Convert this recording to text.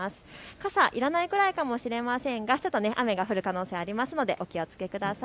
傘いらないぐらいかもしれませんが雨が降る可能性がありますのでお気をつけください。